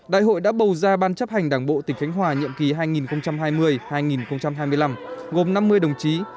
đại hội đã bầu ra ban chấp hành đảng bộ tp hcm nhiệm kỳ hai nghìn hai mươi hai nghìn hai mươi năm gồm năm mươi đồng chí